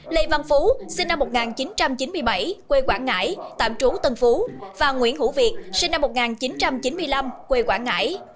lê văn phú sinh năm một nghìn chín trăm chín mươi bảy quê quảng ngãi tạm trú tân phú và nguyễn hữu việt sinh năm một nghìn chín trăm chín mươi năm quê quảng ngãi